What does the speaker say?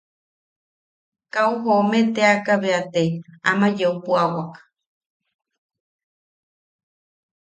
Kau joome teaka bea te ama yeu puʼawak.